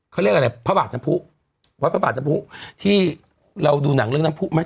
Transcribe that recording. เขาเรียกอะไรพระบาทน้ำผู้วัดพระบาทน้ำผู้ที่เราดูหนังเรื่องน้ำผู้ไหม